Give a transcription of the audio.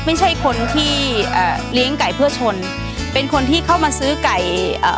ไม่ใช่คนที่อ่าเลี้ยงไก่เพื่อชนเป็นคนที่เข้ามาซื้อไก่อ่า